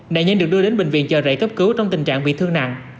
nạn nhân được đưa đến bệnh viện chờ rễ cấp cứu trong tình trạng bị thương nặng